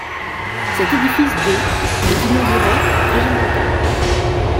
Cet édifice de est inauguré deux ans plus tard.